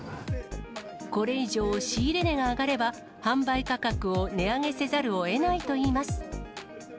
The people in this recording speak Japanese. これ以上、仕入れ値が上がれば、販売価格を値上げせざるをえないといいます。